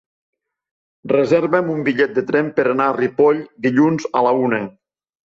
Reserva'm un bitllet de tren per anar a Ripoll dilluns a la una.